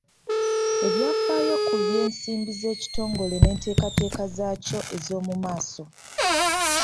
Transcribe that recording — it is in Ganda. Ebyafaayo ku by'ensimbi z'ekitongole n'enteekateeka zaakyo ez'omu maaso.